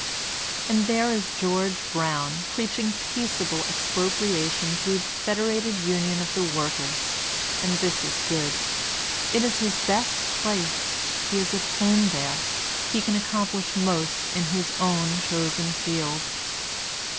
And there is George Brown preaching peaceable ex propriation through the federated unions of the workers ; and this is good. It is his best place; he is at home there; he can accomplish most in his own chosen field.